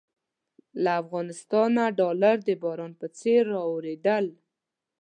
له افغانستانه ډالر د باران په څېر رااورېدل.